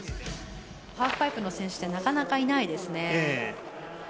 ハーフパイプの選手ってなかなかいないですね。